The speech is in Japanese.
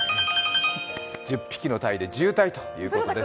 １０匹のタイということで渋滞ということですね。